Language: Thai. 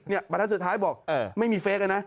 บรรทัศน์สุดท้ายบอกไม่มีเฟคเลยนะ